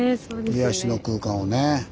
癒やしの空間をね。